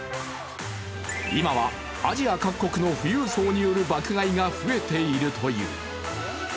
今はアジア各国の富裕層による爆買いが増えているという。